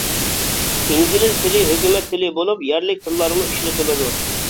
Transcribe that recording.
ئىنگلىز تىلى ھۆكۈمەت تىلى بولۇپ، يەرلىك تىللارمۇ ئىشلىتىلىدۇ.